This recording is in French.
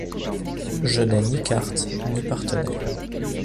Je n’ai ni cartes ni partenaires.